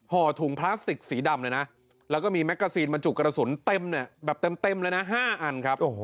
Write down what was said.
ห่อถุงพลาสติกสีดำเลยนะแล้วก็มีแมกกาซีนบรรจุกระสุนเต็มเนี่ยแบบเต็มเลยนะ๕อันครับ